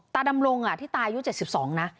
ตาดำรงที่ตายอายุ๗๒นะ